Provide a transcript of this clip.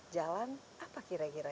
jalan apa kira kira